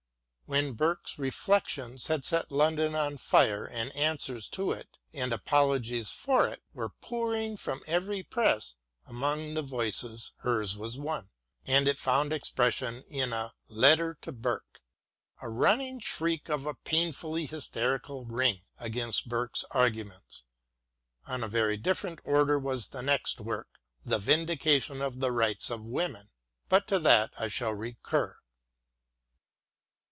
When Burke's " Reflections " had set London on fire and answers to it and apologies for it were pouring from every press, among the voices hers was one, and it found expression in a " Letter to Burke "— a running shriek of a painfully hysterical ring against Burke's arguments. Of a very different order was the next work, the " Vindication of the Rights of Women "— ^but to that I shall recur.